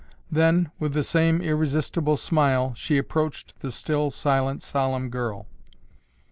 Then, with the same irresistible smile, she approached the still silent, solemn girl.